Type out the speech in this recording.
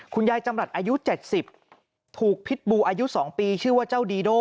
จำรัฐอายุ๗๐ถูกพิษบูอายุ๒ปีชื่อว่าเจ้าดีโด